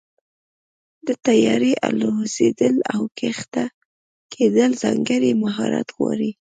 د طیارې الوزېدل او کښته کېدل ځانګړی مهارت غواړي.